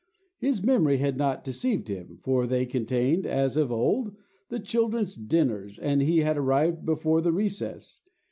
His memory had not deceived him, for they contained, as of old, the children's dinners, and he had arrived before the recess.